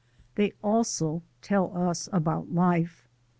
They also tell us about life.